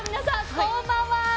こんばんは。